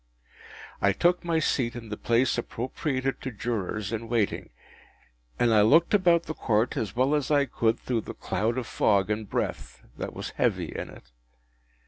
I took my seat in the place appropriated to Jurors in waiting, and I looked about the Court as well as I could through the cloud of fog and breath that was heavy in it.